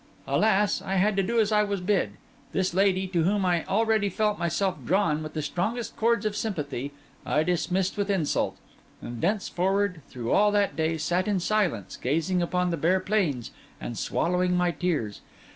Alas, I had to do as I was bid; this lady, to whom I already felt myself drawn with the strongest cords of sympathy, I dismissed with insult; and thenceforward, through all that day, I sat in silence, gazing on the bare plains and swallowing my tears.